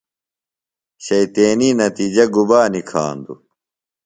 شیطینی نتیِجہ گُبا نِکھاندُوۡ؟